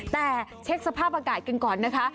แต่เช็คสภาพอากาศกันก่อนนะคะ